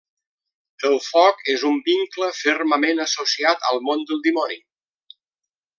El foc és un vincle fermament associat al món del dimoni.